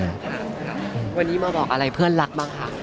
ค่ะวันนี้มาบอกอะไรเพื่อนรักบ้างค่ะ